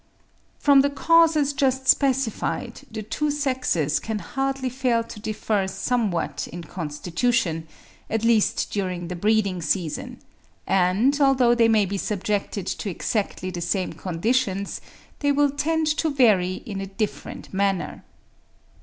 From the causes just specified the two sexes can hardly fail to differ somewhat in constitution, at least during the breeding season; and, although they may be subjected to exactly the same conditions, they will tend to vary in a different manner.